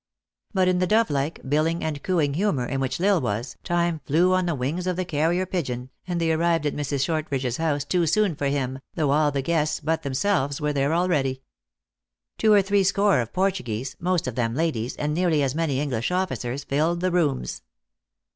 But in the dove like, billing and cooing humor in which L Isle was, time flew on the wings of the carrier pigeon, and they arrived at Mrs. Short ridge s house too soon for him, though all the guests, but themselves, were there already. Two or three score of Portuguese, most of them ladies, and nearly as many English officers filled the rooms.